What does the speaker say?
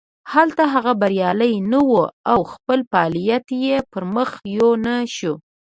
هلته هغه بریالی نه و او خپل فعالیت یې پرمخ یو نه شو.